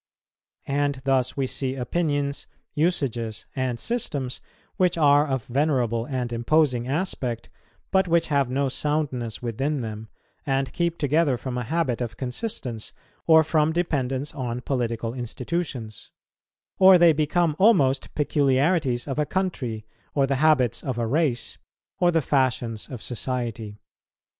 And thus we see opinions, usages, and systems, which are of venerable and imposing aspect, but which have no soundness within them, and keep together from a habit of consistence, or from dependence on political institutions; or they become almost peculiarities of a country, or the habits of a race, or the fashions of society.